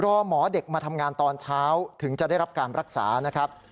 รอหมอเด็กมาทำงานตอนเช้าถึงจะได้รับการรักษานะครับ